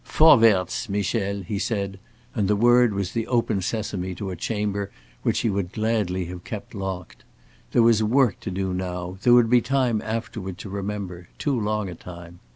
"Vorwärts, Michel," he said, and the word was the Open Sesame to a chamber which he would gladly have kept locked. There was work to do now; there would be time afterward to remember too long a time.